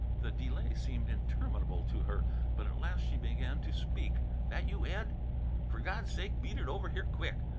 The delay seemed interminable to her, but at last she began to speak. "That you, Ed? F'r God's sake, beat it over here quick.